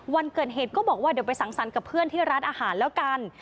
วันเกิดเหตุก็บอกว่าเดี๋ยวไปสั่งสรรค์กับเพื่อนที่ร้านอาหารแล้วกัน